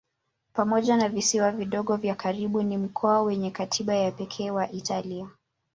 Pamoja na visiwa vidogo vya karibu ni mkoa wenye katiba ya pekee wa Italia.